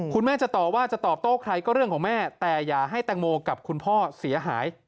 คุณแม่จะต่อว่าจะตอบโต้ใครก็เรื่องของแม่แต่อย่าให้แตงโมกับคุณพ่อเสียหาย